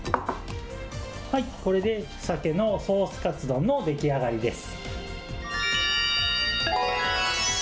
はい、これでさけのソースカツ丼の出来上がりです。